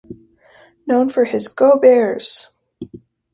Known for his Go Bears!